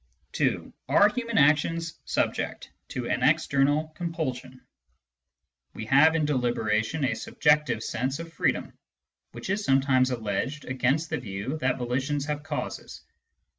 (2) Are human actions subject to an external compulsion ? We have, in deliberation, a subjective sense of freedom, which is sometimes alleged against the view that volitions have causes.